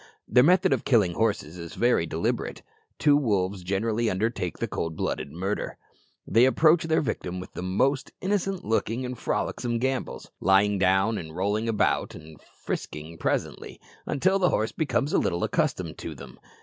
Their method of killing horses is very deliberate. Two wolves generally undertake the cold blooded murder. They approach their victim with the most innocent looking and frolicsome gambols, lying down and rolling about, and frisking presently, until the horse becomes a little accustomed to them.